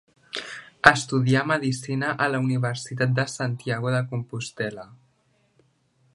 Estudià medicina a la Universitat de Santiago de Compostel·la.